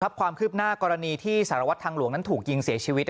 ความคืบหน้ากรณีที่สารวัตรทางหลวงนั้นถูกยิงเสียชีวิต